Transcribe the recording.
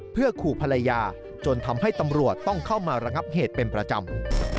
เพื่อขู่ภรรยาจนทำให้ตำรวจต้องเข้ามาระงับเหตุเป็นประจำ